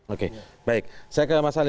oke baik saya ke mas ali